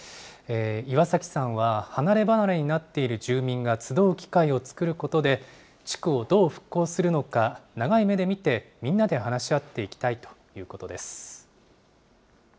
岩崎さんは離れ離れになっている住民が集う機会を作ることで地区をどう復興するのか長い目で見て、みんなで話し合っていきたいということです。